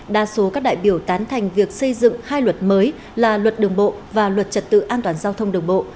đa số các đại biểu tán thành việc xây dựng hai luật mới là luật đường bộ và luật trật tự an toàn giao thông đường bộ